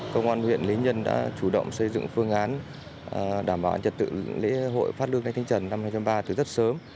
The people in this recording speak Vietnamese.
công an huyện lý nhân đã chủ động xây dựng phương án đảm bảo trật tự lễ hội phát lương lê thánh trần năm hai nghìn ba từ rất sớm